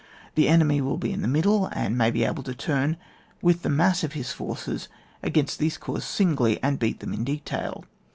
The enemy will be in the middle, and may be able to turn with the mass of his forces against these corps singly, and beat them in detail.